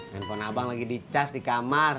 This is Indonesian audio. handphone abang lagi dicas di kamar